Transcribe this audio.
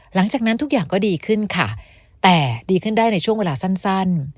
หลังจากนั้นทุกอย่างก็ดีขึ้นค่ะแต่ดีขึ้นได้ในช่วงเวลาสั้น